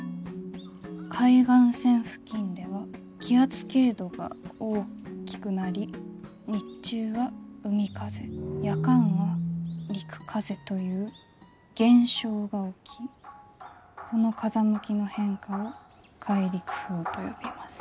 「海岸線付近では気圧傾度が大きくなり日中は海風夜間は陸風という現象が起きこの風向きの変化を海陸風と呼びます」。